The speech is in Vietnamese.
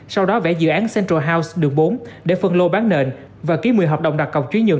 sau đó vẽ dự án central house đường bốn để phân lô bán nền và ký một mươi hợp đồng đặc cọc chuyên nhuận